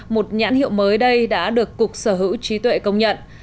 một nhãn hiệu mới đây đã được cục sở hữu trí tuệ công nhận